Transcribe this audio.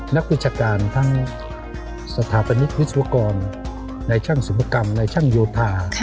นักวิชาการทั้งสถาปนิกวิศวกรในช่างศุปกรรมในช่างโยธา